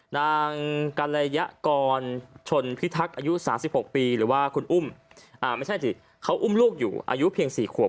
นางกัลยกรชนพิทักษ์อายุ๓๖ปีหรือว่าคุณอุ้มไม่ใช่สิเขาอุ้มลูกอยู่อายุเพียง๔ขวบ